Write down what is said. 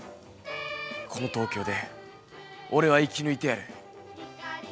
この東京で俺は生き抜いてやる。